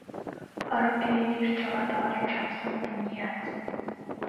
Орон гэрийг эрж яваад олж явсан миний аз.